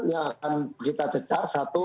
yang akan kita cecar satu